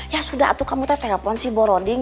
ya sudah tuh kamu tuh telepon si boroding